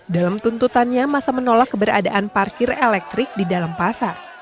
dalam tuntutannya masa menolak keberadaan parkir elektrik di dalam pasar